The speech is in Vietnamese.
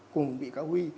cùng bị cáo huy